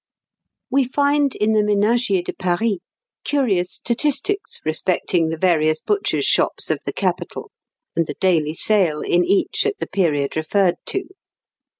] We find in the "Ménagier de Paris" curious statistics respecting the various butchers' shops of the capital, and the daily sale in each at the period referred to.